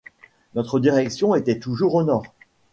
Notre direction était toujours au nord.